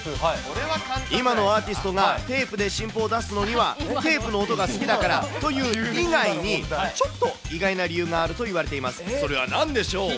今のアーティストがテープで新譜を出すのには、テープの音が好きだからという以外に、ちょっと意外な理由があるといわれています。